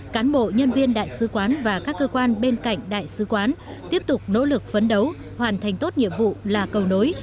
cán bộ nhân viên đại sứ quán và các cơ quan bên cạnh đại sứ quán tiếp tục nỗ lực phấn đấu hoàn thành tốt nhiệm vụ là cầu nối